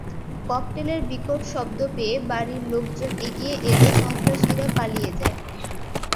ককটেলের বিকট শব্দ পেয়ে বাড়ির লোকজন এগিয়ে এলে সন্ত্রাসীরা পালিয়ে যায়।